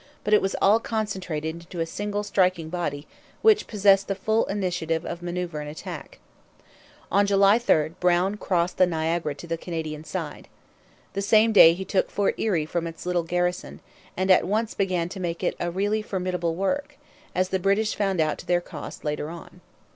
But it was all concentrated into a single striking body which possessed the full initiative of manoeuvre and attack. On July 3 Brown crossed the Niagara to the Canadian side. The same day he took Fort Erie from its little garrison; and at once began to make it a really formidable work, as the British found out to their cost later on.